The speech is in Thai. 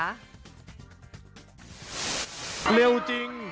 เร็วจริง